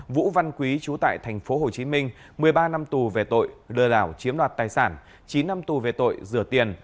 vũ văn quý chú tại tp hcm một mươi ba năm tù về tội lừa đảo chiếm đoạt tài sản chín năm tù về tội rửa tiền